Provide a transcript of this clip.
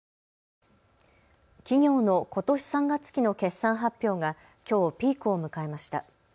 企業のことし３月期の決算発表がきょう、ピークを迎えました。